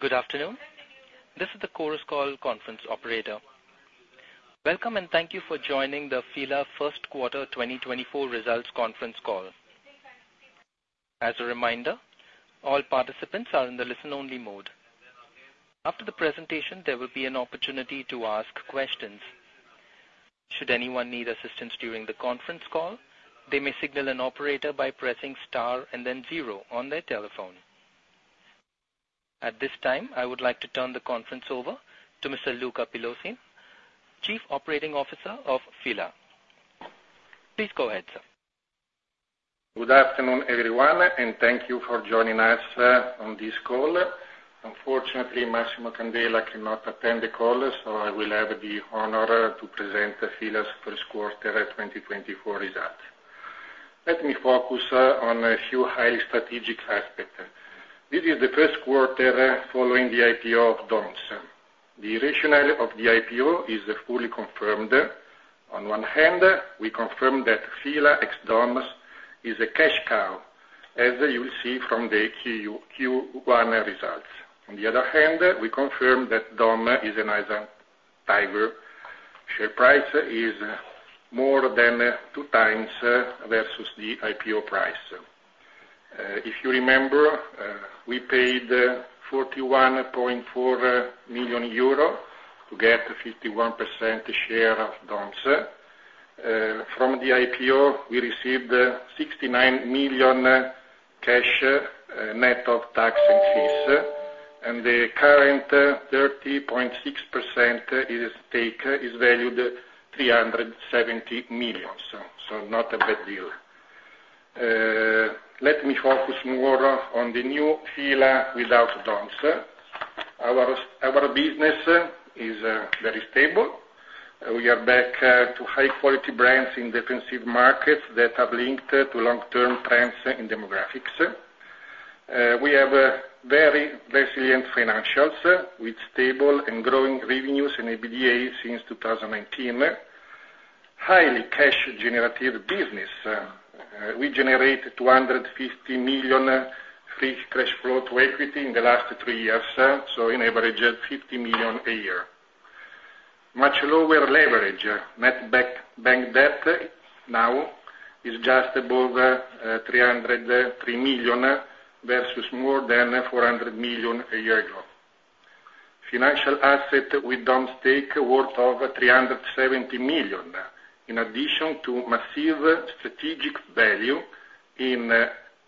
Good afternoon. This is the Chorus Call conference operator. Welcome and thank you for joining the FILA First Quarter 2024 Results Conference call. As a reminder, all participants are in the listen-only mode. After the presentation, there will be an opportunity to ask questions. Should anyone need assistance during the Conference Call, they may signal an operator by pressing star and then zero on their telephone. At this time, I would like to turn the conference over to Mr. Luca Pelosin, Chief Operating Officer of FILA. Please go ahead, sir. Good afternoon, everyone, and thank you for joining us on this call. Unfortunately, Massimo Candela cannot attend the call, so I will have the honor to present FILA's First Quarter 2024 results. Let me focus on a few highly strategic aspects. This is the first quarter following the IPO of DOMS. The rationale of the IPO is fully confirmed. On one hand, we confirm that FILA x DOMS is a Cash Cow, as you'll see from the Q1 results. On the other hand, we confirm that DOMS is a nice tiger. Share price is more than 2 times versus the IPO price. If you remember, we paid 41.4 million euro to get a 51% share of DOMS. From the IPO, we received 69 million cash net of tax and fees, and the current 30.6% stake is valued at 370 million, so not a bad deal. Let me focus more on the new FILA without DOMS. Our business is very stable. We are back to high-quality brands in defensive markets that are linked to long-term trends in demographics. We have very resilient financials with stable and growing revenues and EBITDA since 2019. Highly cash-generative business. We generated 250 million free cash flow to equity in the last three years, so on average 50 million a year. Much lower leverage. Net bank debt now is just above 303 million versus more than 400 million a year ago. Financial asset with DOMS stake worth 370 million, in addition to massive strategic value in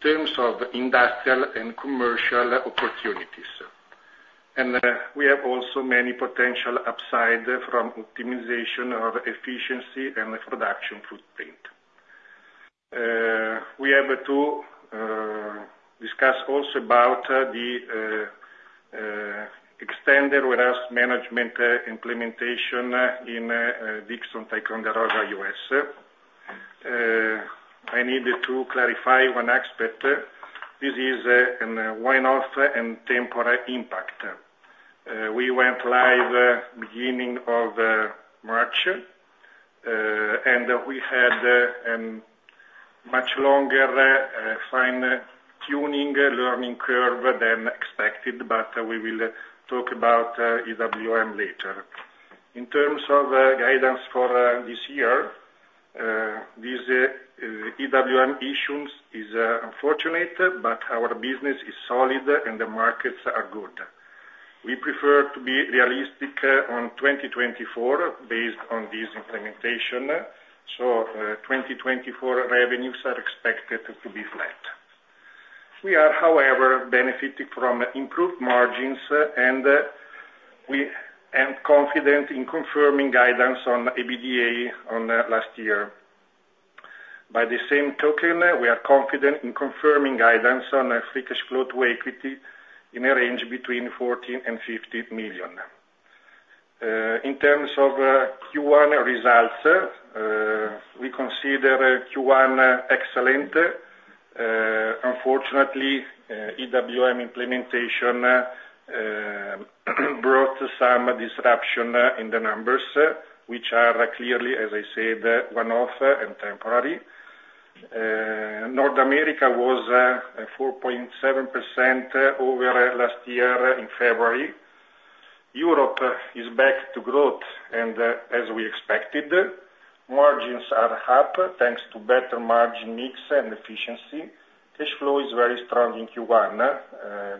terms of industrial and commercial opportunities. And we have also many potential upside from optimization of efficiency and production footprint. We have to discuss also about the extended wealth management implementation in Dixon Ticonderoga, U.S. I need to clarify one aspect. This is a one-off and temporary impact. We went live beginning of March, and we had a much longer fine-tuning learning curve than expected, but we will talk about EWM later. In terms of guidance for this year, these EWM issues are unfortunate, but our business is solid and the markets are good. We prefer to be realistic on 2024 based on this implementation, so 2024 revenues are expected to be flat. We are, however, benefiting from improved margins, and we are confident in confirming guidance on EBITDA last year. By the same token, we are confident in confirming guidance on free cash flow to equity in a range between 14 million and 50 million. In terms of Q1 results, we consider Q1 excellent. Unfortunately, EWM implementation brought some disruption in the numbers, which are clearly, as I said, one-off and temporary. North America was 4.7% over last year in February. Europe is back to growth, and as we expected, margins are up thanks to better margin mix and efficiency. Cash flow is very strong in Q1.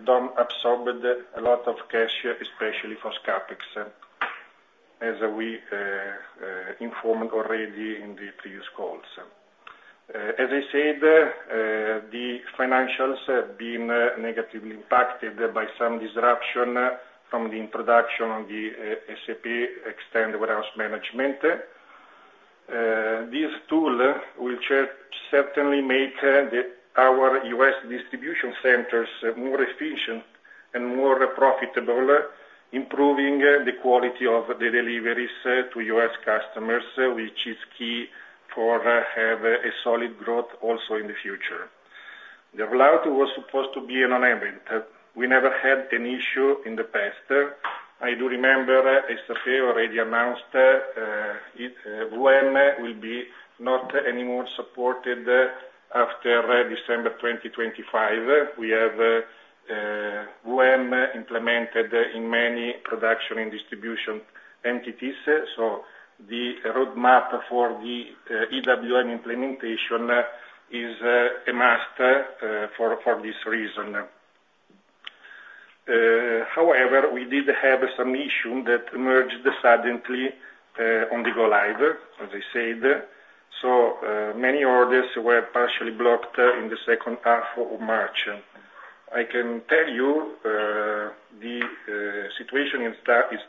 DOMS absorbed a lot of cash, especially for CapEx, as we informed already in the previous calls. As I said, the financials have been negatively impacted by some disruption from the introduction of the SAP Extended Warehouse Management. This tool will certainly make our U.S. distribution centers more efficient and more profitable, improving the quality of the deliveries to U.S. customers, which is key for having a solid growth also in the future. The rollout was supposed to be an enabling. We never had an issue in the past. I do remember SAP already announced WM will be not anymore supported after December 2025. We have VM implemented in many production and distribution entities, so the roadmap for the EWM implementation is a must for this reason. However, we did have some issues that emerged suddenly on the go-live, as I said, so many orders were partially blocked in the second half of March. I can tell you the situation is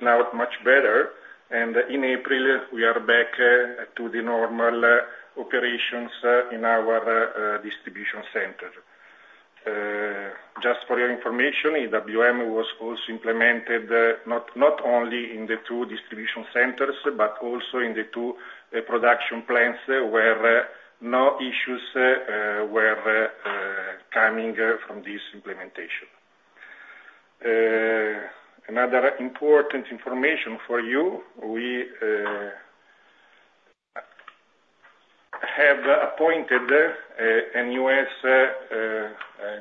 now much better, and in April, we are back to the normal operations in our distribution center. Just for your information, EWM was also implemented not only in the two distribution centers but also in the two production plants where no issues were coming from this implementation. Another important information for you: we have appointed a new US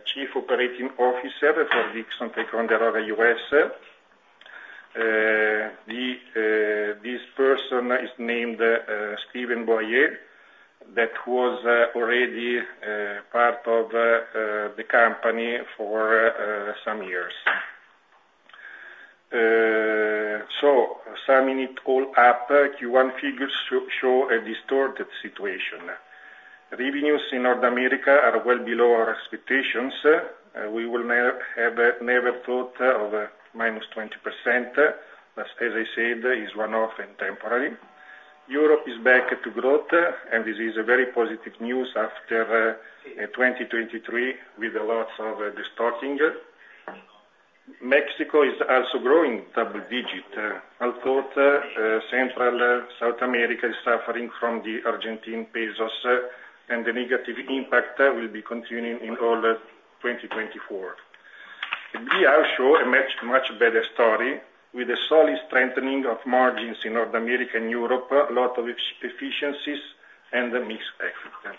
Chief Operating Officer for Dixon Ticonderoga, U.S. This person is named Stephen Boyer, that was already part of the company for some years. So summing it all up, Q1 figures show a distorted situation. Revenues in North America are well below our expectations. We never thought of -20%. Thus, as I said, it is one-off and temporary. Europe is back to growth, and this is very positive news after 2023 with lots of distorting. Mexico is also growing double-digit. I thought Central South America is suffering from the Argentine pesos, and the negative impact will be continuing in all of 2024. We are showing a much better story with a solid strengthening of margins in North America and Europe, a lot of efficiencies, and mixed effort.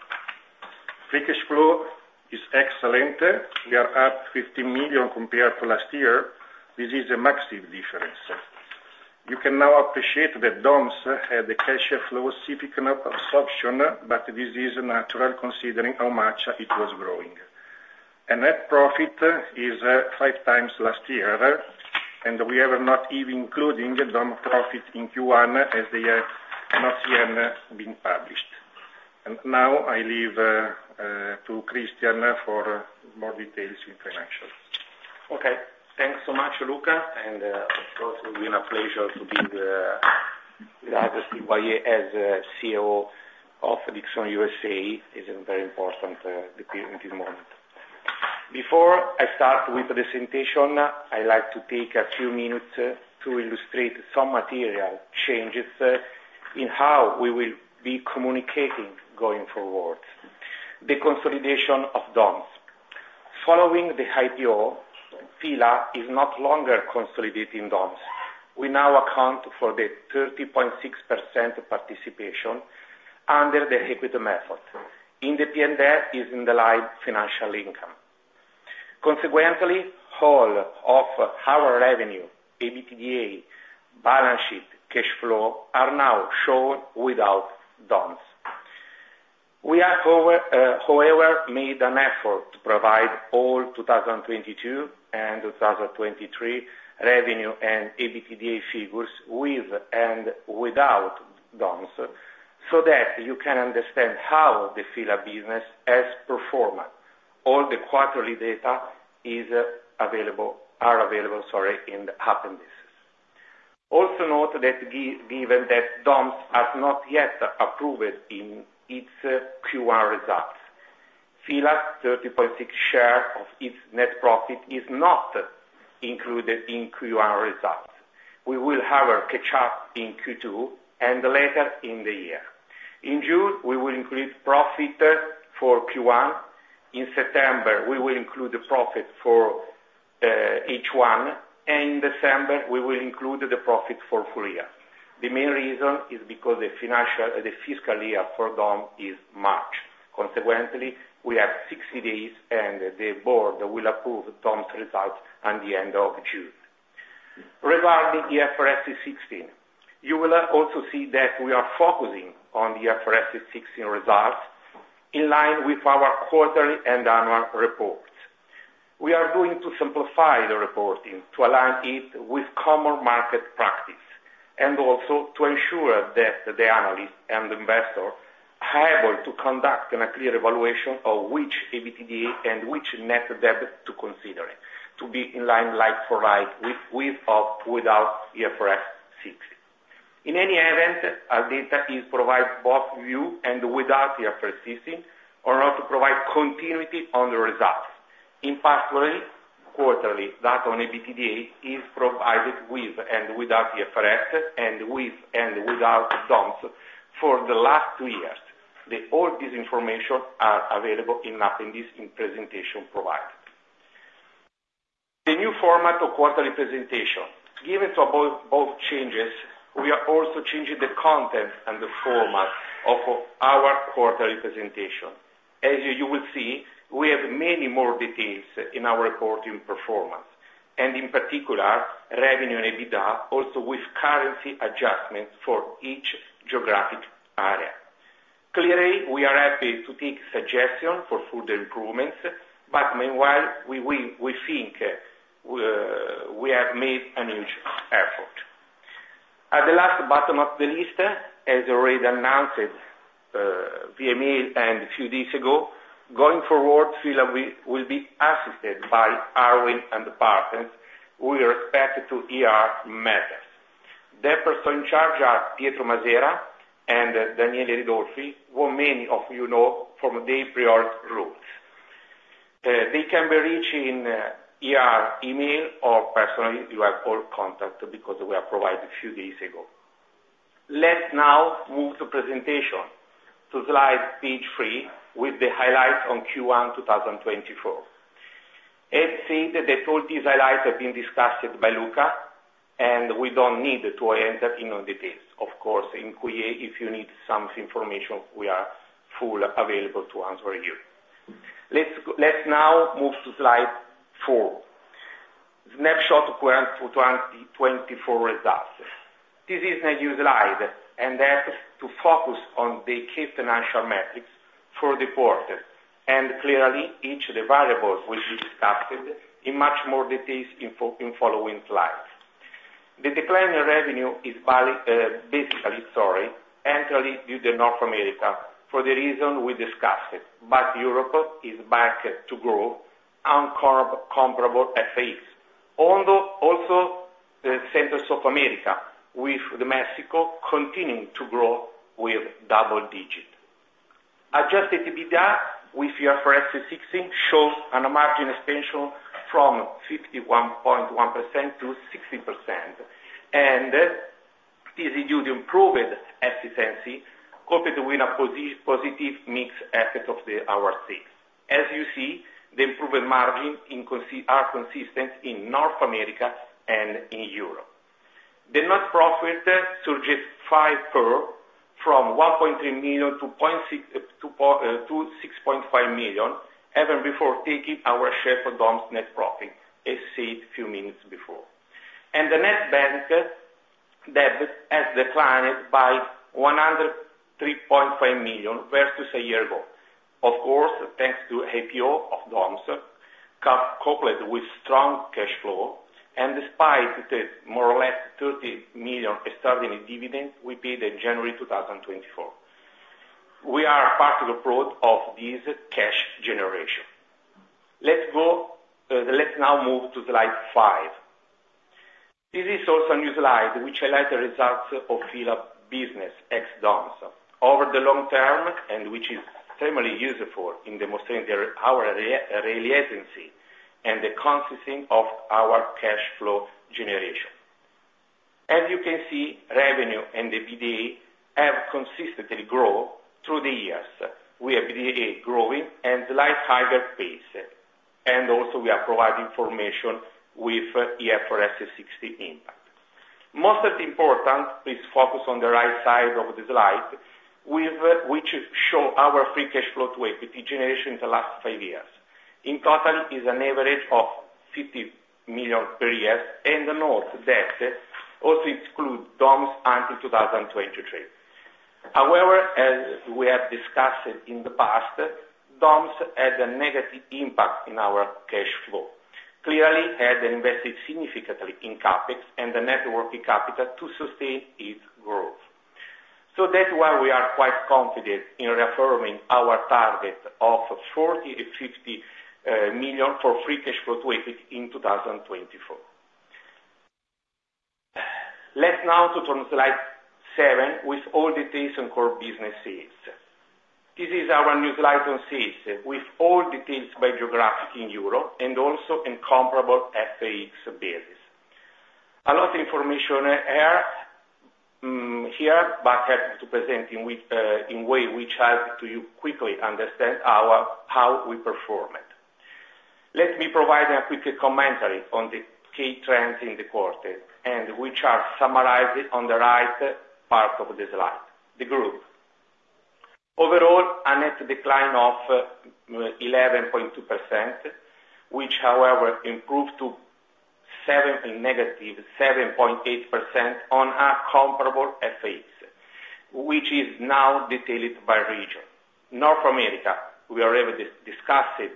Free cash flow is excellent. We are up 15 million compared to last year. This is a massive difference. You can now appreciate that DOMS had a cash flow significant absorption, but this is natural considering how much it was growing. Net profit is five times last year, and we are not even including DOMS profit in Q1 as they have not yet been published. Now I leave to Cristian for more details in financials. Okay. Thanks so much, Luca. And of course, it will be a pleasure to be with Steve Boyer as COO of Dixon USA. He's very important in this moment. Before I start with the presentation, I'd like to take a few minutes to illustrate some material changes in how we will be communicating going forward. The consolidation of DOMS. Following the IPO, FILA is no longer consolidating DOMS. We now account for the 30.6% participation under the equity method. Income is in the line financial income. Consequently, all of our revenue, EBITDA, balance sheet, cash flow are now shown without DOMS. We have, however, made an effort to provide all 2022 and 2023 revenue and EBITDA figures with and without DOMS so that you can understand how the FILA business has performed. All the quarterly data are available in the appendices. Also note that given that DOMS has not yet approved in its Q1 results, FILA's 30.6% share of its net profit is not included in Q1 results. We will have a catch-up in Q2 and later in the year. In June, we will include profit for Q1. In September, we will include the profit for each one, and in December, we will include the profit for full year. The main reason is because the fiscal year for DOMS is March. Consequently, we have 60 days, and the board will approve DOMS's results at the end of June. Regarding the IFRS 16, you will also see that we are focusing on the IFRS 16 results in line with our quarterly and annual reports. We are going to simplify the reporting to align it with common market practice and also to ensure that the analyst and investor are able to conduct a clear evaluation of which EBITDA and which net debt to consider to be in line right for right with or without IFRS 16. In any event, our data is provided both with and without IFRS 16 in order to provide continuity on the results. In particular, quarterly data on EBITDA is provided with and without IFRS and with and without DOMs for the last two years. All this information is available in the appendices in the presentation provided. The new format of quarterly presentation. Given both changes, we are also changing the content and the format of our quarterly presentation. As you will see, we have many more details in our reporting performance, and in particular, revenue and EBITDA, also with currency adjustments for each geographic area. Clearly, we are happy to take suggestions for further improvements, but meanwhile, we think we have made a huge effort. At the last bottom of the list, as already announced via email a few days ago, going forward, FILA will be assisted by Arwin & Partners who are expected to matters. The person in charge are Pietro Masera and Daniele Ridolfi, whom many of you know from the prior roles. They can be reached via email or personally. You have all contact because we have provided a few days ago. Let's now move to the presentation, to slide page three with the highlights on Q1 2024. Let's say that all these highlights have been discussed by Luca, and we don't need to enter into details. Of course, if you need some information, we are fully available to answer you. Let's now move to slide four, snapshot of 2024 results. This is a new slide, and that's to focus on the key financial metrics for the quarter. Clearly, each of the variables will be discussed in much more details in the following slides. The decline in revenue is basically entirely due to North America for the reason we discussed, but Europe is back to growth on comparable FX, also the rest of Americas with Mexico continuing to grow with double-digit. Adjusted EBITDA with IFRS 16 shows a margin expansion from 51.1%-60%, and this is due to improved efficiency coupled with a positive mix effect of our six. As you see, the improved margin is consistent in North America and in Europe. The net profit surges 5% from 1.3 million to 6.5 million even before taking our share of DOMS' net profit, as said a few minutes before. The net bank debt has declined by 103.5 million versus a year ago. Of course, thanks to the IPO of DOMS coupled with strong cash flow, and despite the more or less 30 million ordinary dividends we paid in January 2024. We are part of the approach of this cash generation. Let's now move to slide five. This is also a new slide which highlights the results of FILA business ex DOMS over the long term, and which is extremely useful in demonstrating our reliability and the consistency of our cash flow generation. As you can see, revenue and EBITDA have consistently grown through the years. We have EBITDA growing at a slightly higher pace, and also we are providing information with IFRS 16 impact. Most of the important is focus on the right side of the slide which shows our free cash flow to equity generation in the last five years. In total, it is an average of 50 million per year, and note that also includes DOMS until 2023. However, as we have discussed in the past, DOMS had a negative impact in our cash flow, clearly had invested significantly in CapEx and the working capital to sustain its growth. So that's why we are quite confident in affirming our target of 40 million-50 million for free cash flow to equity in 2024. Let's now turn to slide seven with all details on core businesses. This is our new slide on Sales with all details by geographic in Europe and also in comparable FAEs basis. A lot of information here, but happy to present in a way which helps you quickly understand how we performed. Let me provide a quick commentary on the key trends in the quarter, and which are summarized on the right part of the slide, the group. Overall, a net decline of 11.2%, which, however, improved to -7.8% on a comparable FAEs, which is now detailed by region. North America, we already discussed it,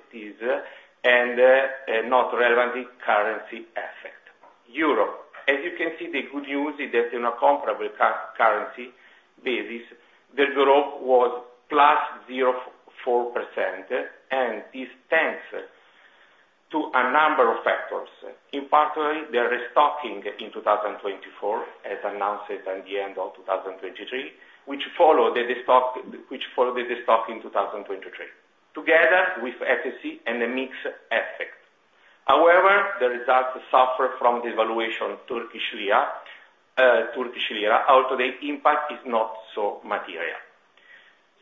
is not relevant in currency effect. Europe, as you can see, the good news is that in a comparable currency basis, the growth was +0.4%, and this thanks to a number of factors. In particular, the restocking in 2024, as announced at the end of 2023, which followed the restocking in 2023 together with efficiency and a mixed effect. However, the results suffer from devaluation of Turkish lira, although the impact is not so material.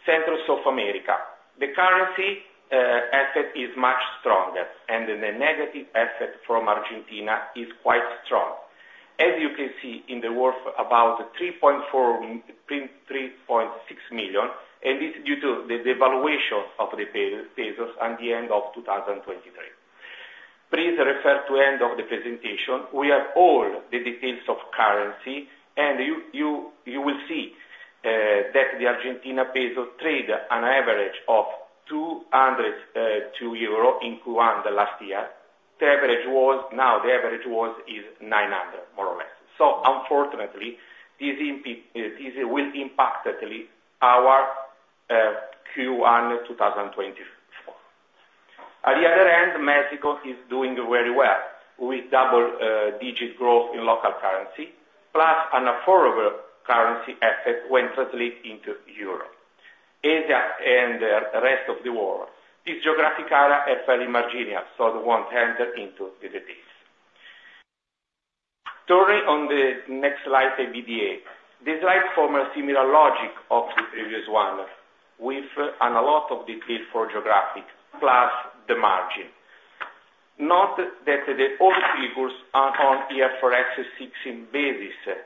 Central South America, the currency effect is much stronger, and the negative effect from Argentina is quite strong. As you can see in the worth of about 3.6 million, and this is due to the devaluation of the pesos at the end of 2023. Please refer to the end of the presentation. We have all the details of currency, and you will see that the Argentina peso traded an average of 202 euros in Q1 last year. The average was now the average is 900, more or less. So unfortunately, this will impact our Q1 2024. At the other end, Mexico is doing very well with double-digit growth in local currency plus an affordable currency effect when translated into euro. Asia and the rest of the world, this geographic area is very marginal, so I won't enter into the details. Turning to the next slide, EBITDA. This slide follows a similar logic of the previous one with a lot of detail for geographies plus the margin. Note that all figures are on IFRS 16 basis.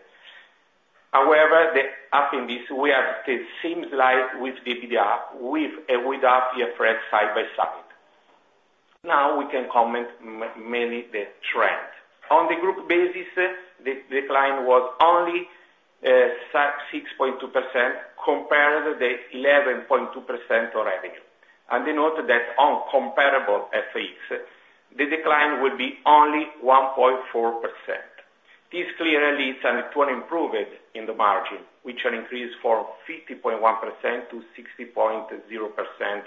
However, in the appendix, we have the same slide with EBITDA and without IFRS side by side. Now we can comment mainly the trend. On the group basis, the decline was only 6.2% compared to the 11.2% revenue. And note that on comparable FXs, the decline will be only 1.4%. This clearly is an improvement in the margin, which increased from 50.1% to 60.0%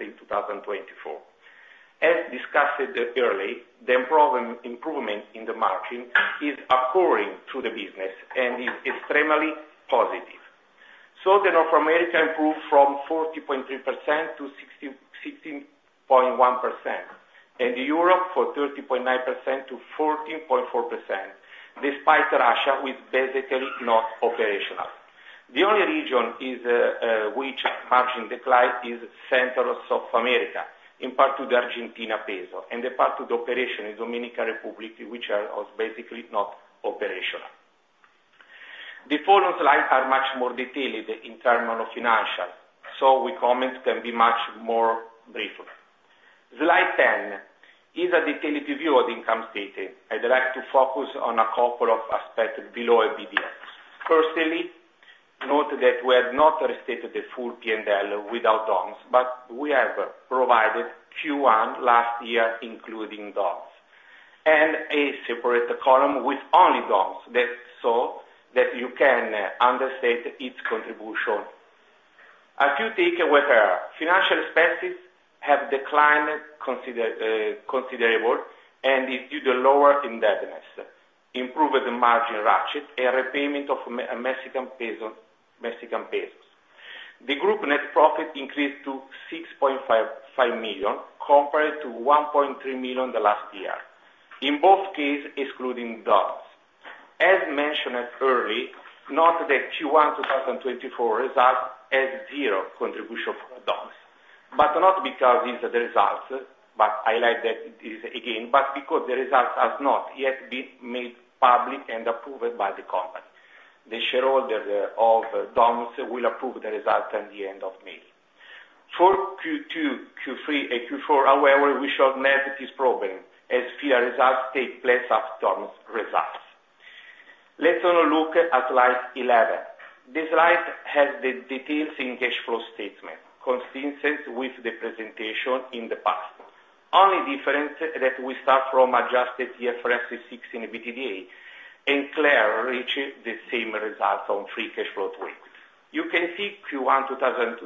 in 2024. As discussed earlier, the improvement in the margin is occurring through the business and is extremely positive. So the North America improved from 40.3% to 16.1%, and Europe from 30.9% to 14.4% despite Russia being basically not operational. The only region which margin decline is Central South America, in part to the Argentine peso, and in part to the operation in the Dominican Republic, which was basically not operational. The following slides are much more detailed in terms of financials, so we comment can be much more briefly. Slide 10 is a detailed review of the income statement. I'd like to focus on a couple of aspects below EBITDA. Firstly, note that we have not restated the full P&L without DOMS, but we have provided Q1 last year including DOMS and a separate column with only DOMS so that you can understand its contribution. A few takeaways here. Financial expenses have declined considerably, and it's due to lower indebtedness, improved margin ratchet, and repayment of Mexican pesos. The group net profit increased to 6.5 million compared to 1.3 million the last year, in both cases excluding DOMS. As mentioned earlier, note that Q1 2024 results had zero contribution from DOMS, but not because it's the results, but I like that again, but because the results have not yet been made public and approved by the company. The shareholder of DOMS will approve the results at the end of May. For Q2, Q3, and Q4, however, we shall never disapprove as FILA results take place after DOMS results. Let's now look at slide 11. This slide has the details in cash flow statement consistent with the presentation in the past. Only difference is that we start from adjusted IFRS 16 EBITDA, and calculation reached the same result on free cash flow to equity. You can see Q1 2023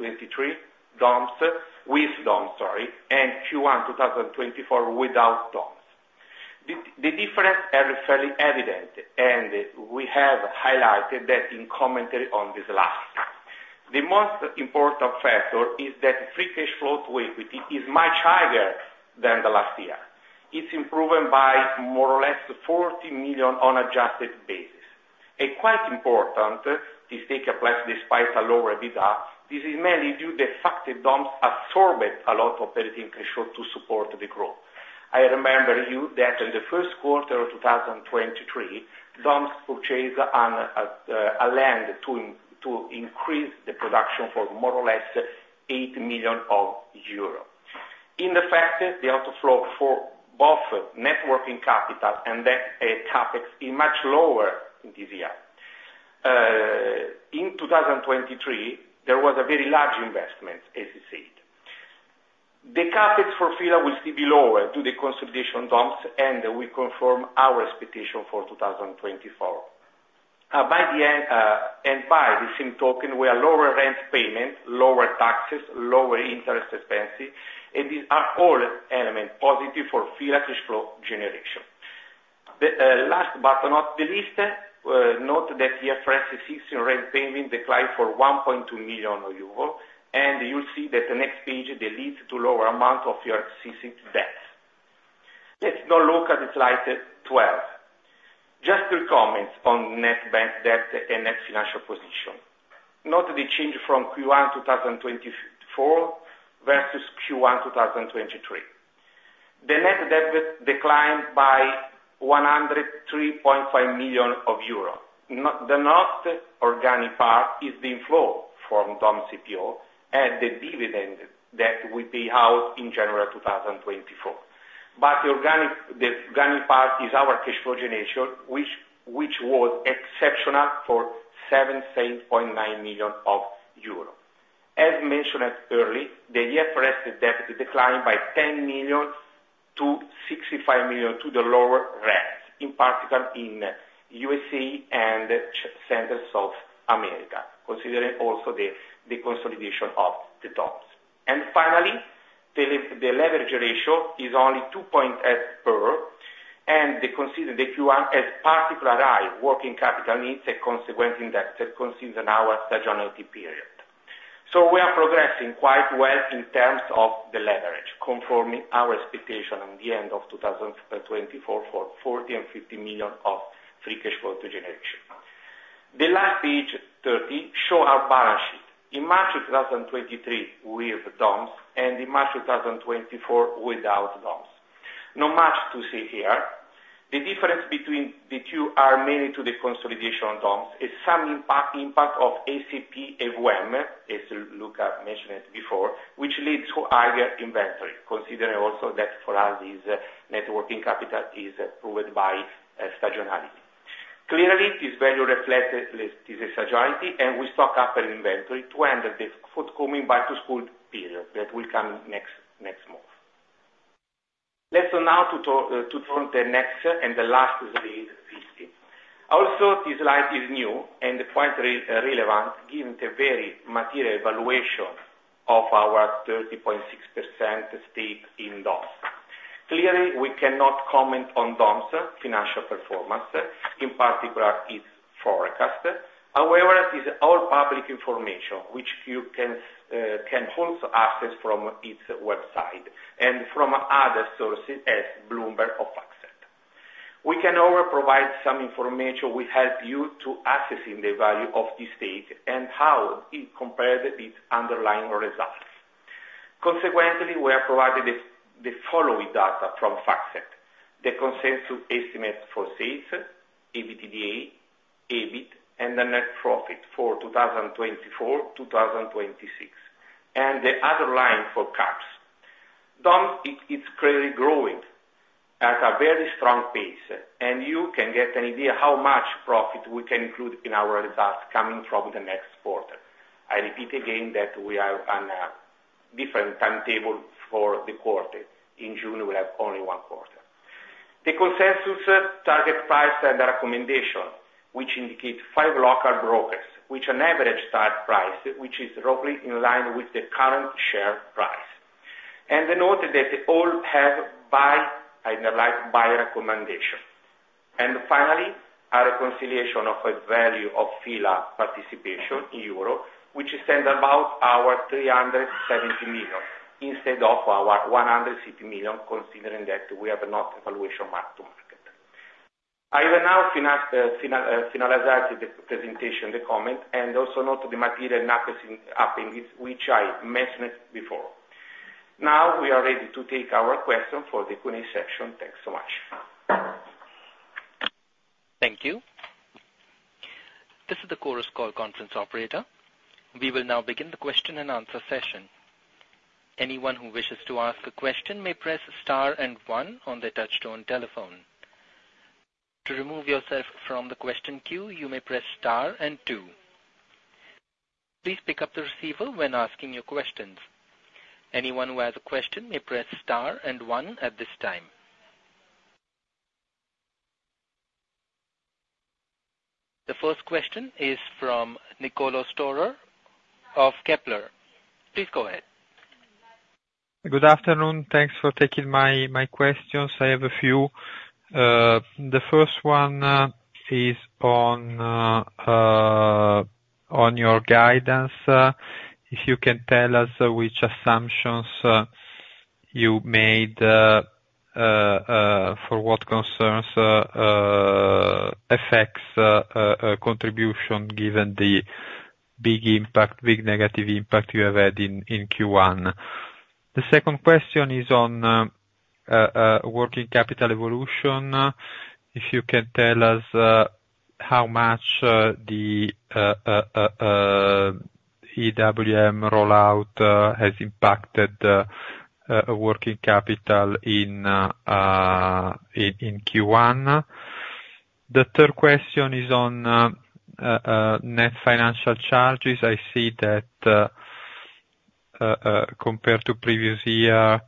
with DOMS, and Q1 2024 without DOMS. The differences are fairly evident, and we have highlighted that in commentary on this slide. The most important factor is that free cash flow to equity is much higher than the last year. It's improved by more or less 40 million on adjusted basis. Quite important to take place despite a lower EBITDA, this is mainly due to the fact that DOMS absorbed a lot of operating cash flow to support the growth. I remind you that in the first quarter of 2023, DOMS purchased land to increase the production for more or less 8 million euro. In effect, the outflow for both net working capital and CapEx is much lower in this year. In 2023, there was a very large investment, as you said. The CapEx for FILA will still be lower due to the consolidation of DOMS, and we confirm our expectation for 2024. By the same token, we have lower rent payment, lower taxes, lower interest expenses, and these are all elements positive for FILA cash flow generation. Last but not the least, note that IFRS 16 rent payment declined for 1.2 million euro, and you'll see that the next page leads to a lower amount of your existing debts. Let's now look at slide 12, just three comments on net bank debt and net financial position. Note the change from Q1 2024 versus Q1 2023. The net debt declined by 103.5 million euros. The non-organic part is the inflow from DOMS IPO and the dividend that we pay out in January 2024. But the organic part is our cash flow generation, which was exceptional for 7.9 million euro. As mentioned earlier, the EFRS debt declined by 10 million to 65 million to the lower rents, in particular in USA and Central South America, considering also the consolidation of the DOMS. And finally, the leverage ratio is only 2.8%, and the Q1 as particular high working capital needs and consequent indebtedness considers our seasonality period. We are progressing quite well in terms of the leverage, conforming our expectation at the end of 2024 for 40 million and 50 million of free cash flow to generation. The last page 30 shows our balance sheet in March 2023 with DOMS and in March 2024 without DOMS. Not much to see here. The difference between the two is mainly due to the consolidation of DOMS, some impact of SAP EWM, as Luca mentioned before, which leads to higher inventory, considering also that for us, net working capital is proven by seasonality. Clearly, this value reflects this seasonality, and we stock up in inventory to end the forthcoming back-to-school period that will come next month. Let's now turn to the next and the last slide, 15. Also, this slide is new and quite relevant given the very material evaluation of our 30.6% stake in DOMS. Clearly, we cannot comment on DOMS financial performance, in particular its forecast. However, it is all public information, which you can also access from its website and from other sources as Bloomberg or FactSet. We can also provide some information which will help you to assess the value of this stake and how it compared with underlying results. Consequently, we have provided the following data from FactSet: the consensus estimate for sales, EBITDA, EBIT, and the net profit for 2024-2026, and the other line for EPS. DOMS, it's clearly growing at a very strong pace, and you can get an idea how much profit we can include in our results coming from the next quarter. I repeat again that we have a different timetable for the quarter. In June, we have only one quarter. The consensus target price and the recommendation, which indicate five local brokers, which an average start price, which is roughly in line with the current share price. And note that all have buy recommendation. And finally, a reconciliation of the value of FILA participation in euros, which is around 370 million instead of 160 million, considering that we have not evaluation marked to market. I have now finalized the presentation, the comment, and also note the material appendix, which I mentioned before. Now we are ready to take our questions for the Q&A session. Thanks so much. Thank you. This is the Chorus Call Conference Operator. We will now begin the question-and-answer session. Anyone who wishes to ask a question may press star and one on their touch-tone telephone. To remove yourself from the question queue, you may press star and two. Please pick up the receiver when asking your questions. Anyone who has a question may press star and one at this time. The first question is from Nicolò Storer of Kepler. Please go ahead. Good afternoon. Thanks for taking my questions. I have a few. The first one is on your guidance. If you can tell us which assumptions you made for what concerns affects contribution given the big negative impact you have had in Q1? The second question is on working capital evolution. If you can tell us how much the EWM rollout has impacted working capital in Q1? The third question is on net financial charges. I see that compared to previous year,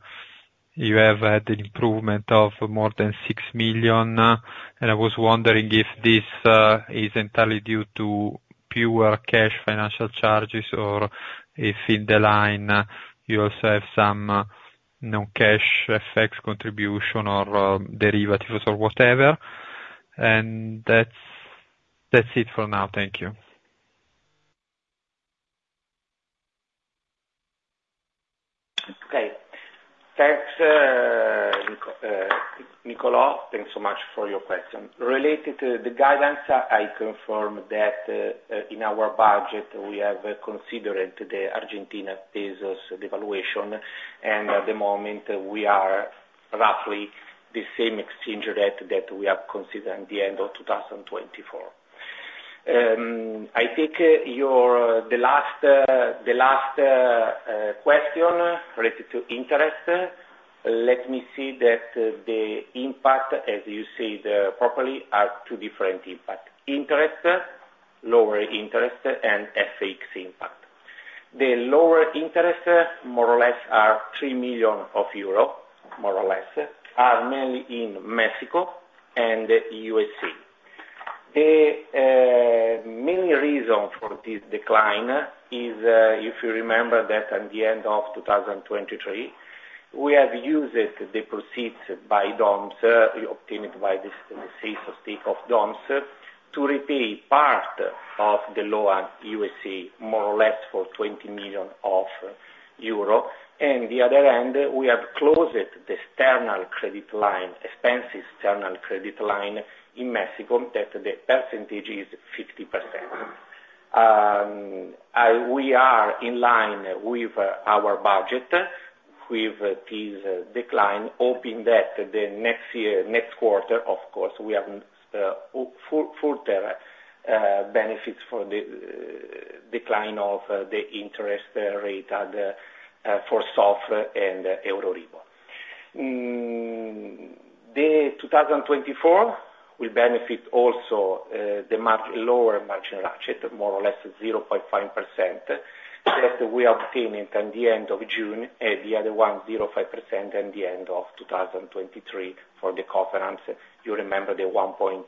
you have had an improvement of more than 6 million, and I was wondering if this is entirely due to pure cash financial charges or if in the line you also have some non-cash effects contribution or derivatives or whatever? That's it for now. Thank you. Okay. Thanks, Nicolo. Thanks so much for your question. Related to the guidance, I confirm that in our budget, we have considered the Argentina pesos devaluation, and at the moment, we are roughly the same exchange rate that we have considered at the end of 2024. I think the last question related to interest, let me see that the impact, as you said properly, are two different impacts: interest, lower interest, and FAEX impact. The lower interest, more or less, are 3 million euro, more or less, are mainly in Mexico and the USA. The main reason for this decline is, if you remember that at the end of 2023, we have used the proceeds by DOMS, obtained by the sales of DOMS, to repay part of the lower USA, more or less, for 20 million euro. On the other hand, we have closed the external credit line expenses, external credit line in Mexico, that the percentage is 50%. We are in line with our budget with this decline, hoping that the next quarter, of course, we have further benefits from the decline of the interest rate for SOFR and Euribor. The 2024 will benefit also the lower margin ratchet, more or less 0.5% that we obtained at the end of June, and the other one, 0.5% at the end of 2023 for the concession. You remember the 1.8%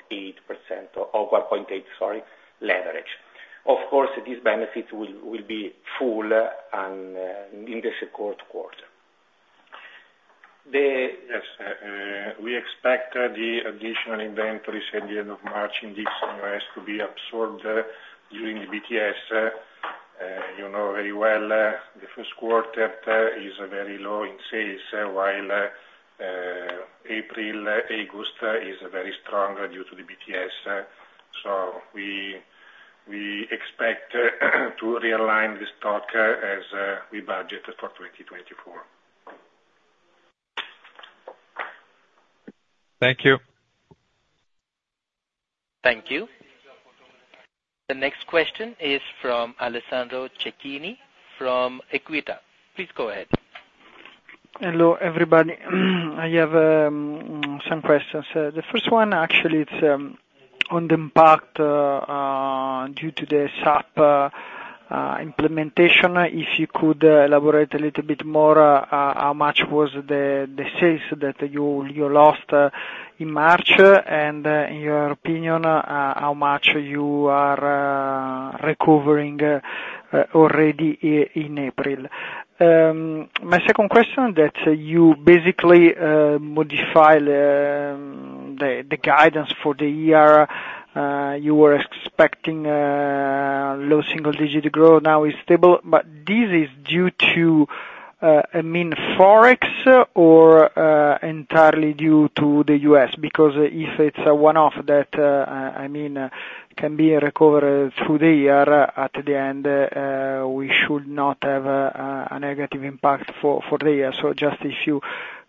or 1.8, sorry, leverage. Of course, these benefits will be full in the second quarter. Yes. We expect the additional inventories at the end of March index in the US to be absorbed during the BTS. You know very well the first quarter is very low in sales, while April, August is very strong due to the BTS. So we expect to realign the stock as we budget for 2024. Thank you. Thank you. The next question is from Alessandro Cecchini from Equita. Please go ahead. Hello, everybody. I have some questions. The first one, actually, it's on the impact due to the SOFR implementation. If you could elaborate a little bit more, how much was the sales that you lost in March, and in your opinion, how much you are recovering already in April? My second question, that you basically modified the guidance for the year. You were expecting low single-digit growth. Now it's stable. But this is due to, I mean, Forex or entirely due to the US? Because if it's a one-off that, I mean, can be recovered through the year, at the end, we should not have a negative impact for the year. So just if you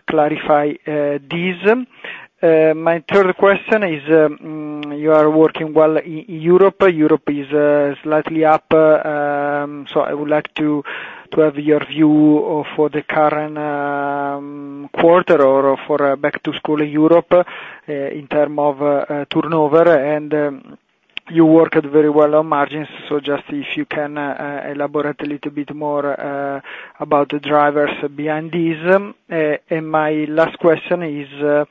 clarify this. My third question is, you are working well in Europe. Europe is slightly up. So I would like to have your view for the current quarter or for back-to-school Europe in terms of turnover. And you worked very well on margins. So just if you can elaborate a little bit more about the drivers behind these. And my last question is,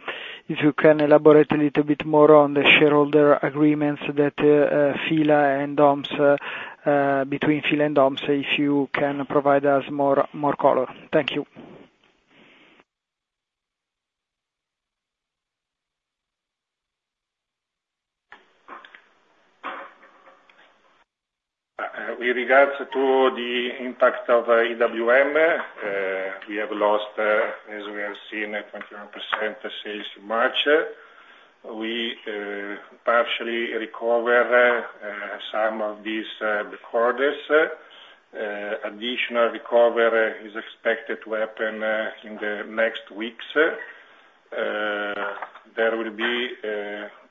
if you can elaborate a little bit more on the shareholder agreements that FILA and DOMS between FILA and DOMS, if you can provide us more color. Thank you. With regards to the impact of EWM, we have lost, as we have seen, 21% sales in March. We partially recover some of these records. Additional recovery is expected to happen in the next weeks. There will be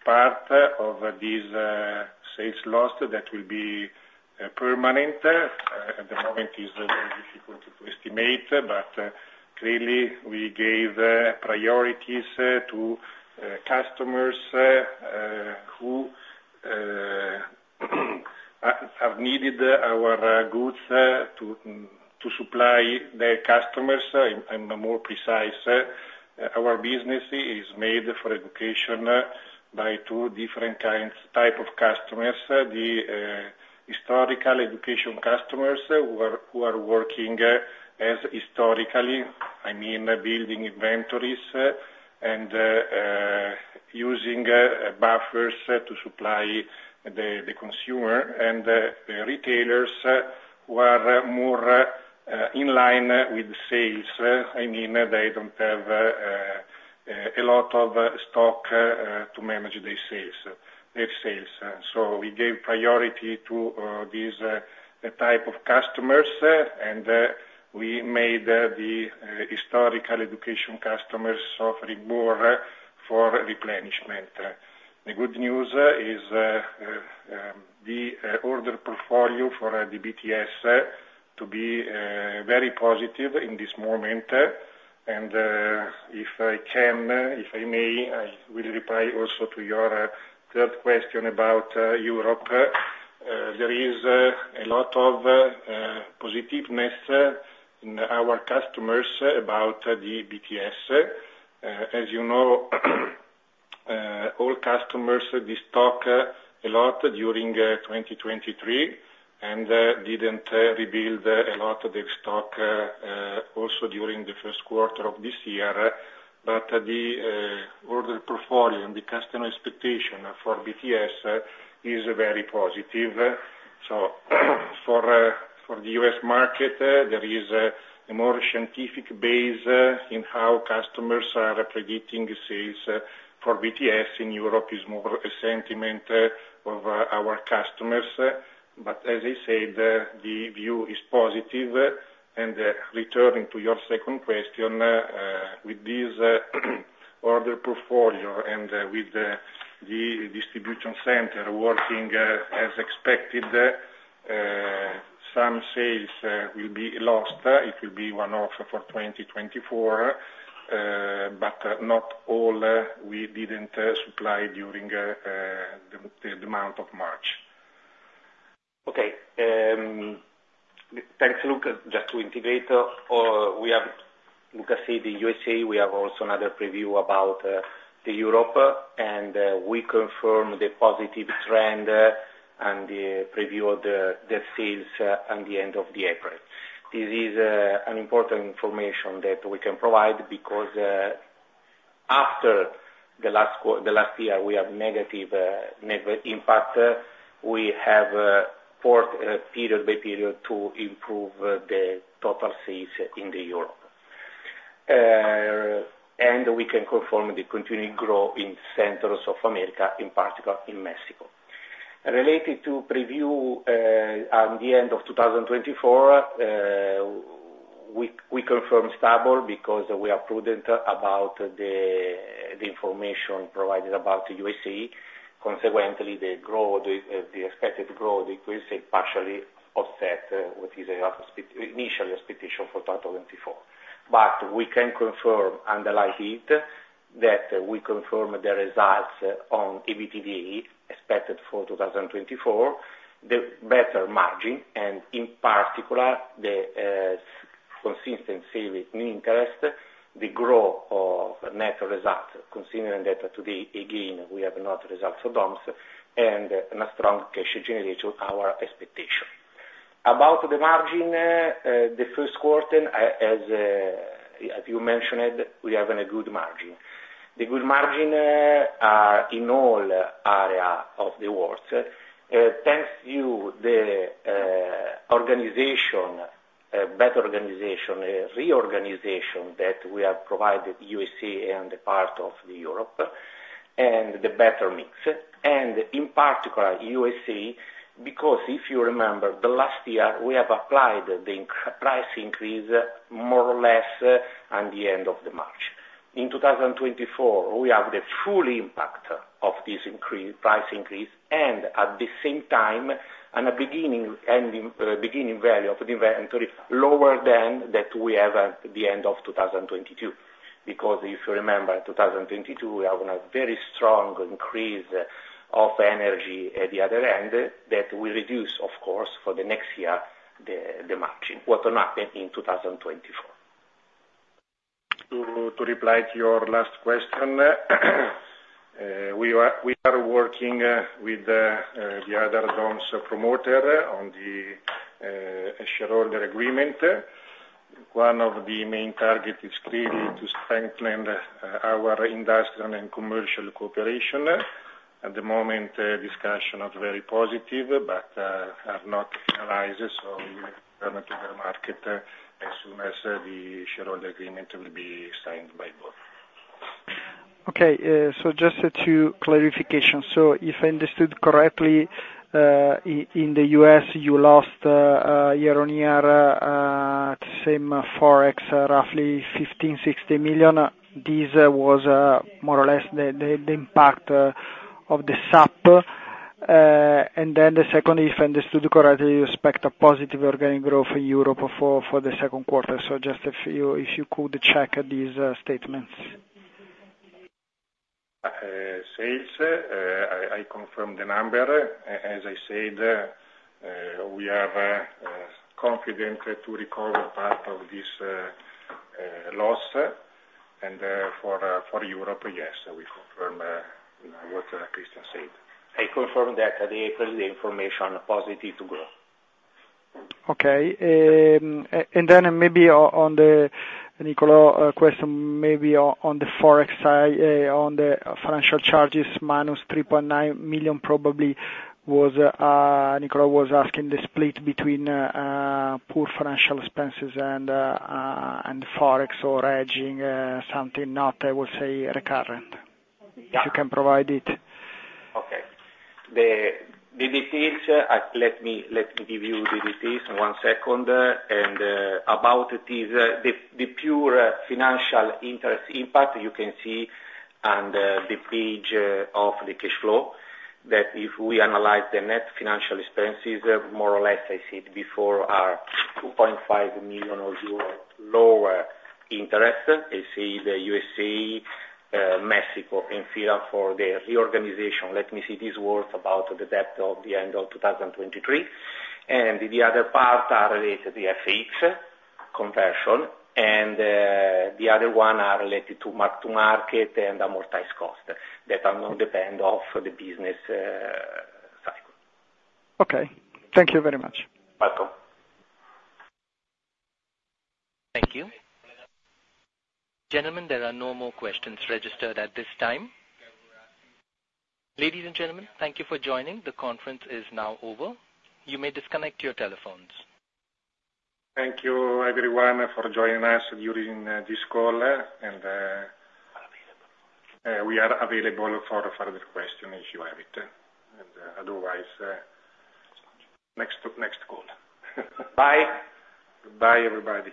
part of these sales lost that will be permanent. At the moment, it's difficult to estimate, but clearly, we gave priorities to customers who have needed our goods to supply their customers. I'm more precise. Our business is made for education by two different types of customers: the historical education customers who are working as historically, I mean, building inventories and using buffers to supply the consumer, and the retailers who are more in line with sales. I mean, they don't have a lot of stock to manage their sales. So we gave priority to these types of customers, and we made the historical education customers suffering more for replenishment. The good news is the order portfolio for the BTS to be very positive in this moment. And if I can, if I may, I will reply also to your third question about Europe. There is a lot of positiveness in our customers about the BTS. As you know, all customers distock a lot during 2023 and didn't rebuild a lot of their stock also during the first quarter of this year. But the order portfolio, the customer expectation for BTS, is very positive. So for the U.S. market, there is a more scientific base in how customers are predicting sales for BTS. In Europe, it's more a sentiment of our customers. But as I said, the view is positive. And returning to your second question, with this order portfolio and with the distribution center working as expected, some sales will be lost. It will be one-off for 2024, but not all we didn't supply during the month of March. Okay. Thanks, Luca. Just to reiterate, Luca said in USA, we have also another preview about Europe, and we confirm the positive trend and the preview of the sales at the end of April. This is important information that we can provide because after the last year, we have negative impact. We have worked period by period to improve the total sales in Europe. We can confirm the continued growth in Central America, in particular, in Mexico. Related to preview at the end of 2024, we confirm stable because we are prudent about the information provided about the USA. Consequently, the expected growth will partially offset what is initially expectation for 2024. But we can confirm, underline it, that we confirm the results on EBITDA expected for 2024, the better margin, and in particular, the consistent savings interest, the growth of net results, considering that today, again, we have no results for DOMS, and a strong cash generation, our expectation. About the margin, the first quarter, as you mentioned, we have a good margin. The good margin in all areas of the world, thanks to the better organization, reorganization that we have provided USA and part of Europe, and the better mix, and in particular, USA, because if you remember, the last year, we have applied the price increase more or less at the end of March. In 2024, we have the full impact of this price increase and at the same time, a beginning value of the inventory lower than that we have at the end of 2022. Because if you remember, in 2022, we have a very strong increase of energy at the other end that we reduce, of course, for the next year, the margin, what happened in 2024. To reply to your last question, we are working with the other DOMS promoter on the shareholder agreement. One of the main targets is clearly to strengthen our industrial and commercial cooperation. At the moment, discussion is very positive, but are not finalized. So we return to the market as soon as the shareholder agreement will be signed by both. Okay. So just for clarification. So if I understood correctly, in the U.S., you lost year-over-year at the same Forex, roughly $15.6 million. This was more or less the impact of the SOFR. And then the second, if I understood correctly, you expect a positive organic growth in Europe for the second quarter. So just if you could check these statements. Sales, I confirm the number. As I said, we are confident to recover part of this loss. For Europe, yes, we confirm what Cristian said. I confirm that at the April, the information is positive to grow. Okay. And then maybe on the Nicolò question, maybe on the Forex, on the financial charges, -3.9 million probably was Nicolò was asking the split between pure financial expenses and Forex or hedging, something not, I will say, recurrent, if you can provide it. Okay. The details, let me give you the details in one second. About this, the pure financial interest impact, you can see on the page of the cash flow that if we analyze the net financial expenses, more or less, it's about 2.5 million euro lower interest. It's the U.S.A., Mexico, and FILA for the reorganization. Let me see this worth about the debt at the end of 2023. The other part is related to the FX conversion. The other one is related to mark-to-market and amortized cost that are not dependent on the business cycle. Okay. Thank you very much. Welcome. Thank you. Gentlemen, there are no more questions registered at this time. Ladies and gentlemen, thank you for joining. The conference is now over. You may disconnect your telephones. Thank you, everyone, for joining us during this call. We are available for further questions if you have it. Otherwise, next call. Bye. Goodbye, everybody.